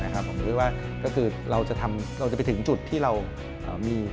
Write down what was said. ผมคิดว่าก็คือเราจะไปถึงจุดที่เรามี